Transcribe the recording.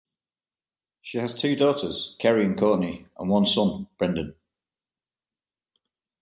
She has two daughters, Kerry and Courtney, and one son, Brendan.